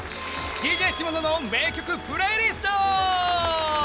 ＤＪ下野の名曲プレイリスト。